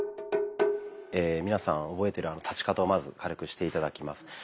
皆さん覚えてるあの立ち方をまず軽くして頂きます。